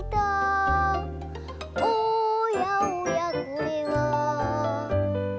「おやおやこれは」